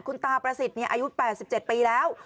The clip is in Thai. คุณตาประสิทธิ์อายุ๘๗ปีแล้ว